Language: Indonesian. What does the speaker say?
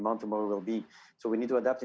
jadi kita perlu beradaptasi